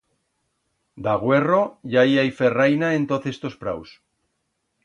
D'agüerro ya i hai ferraina en toz estos praus.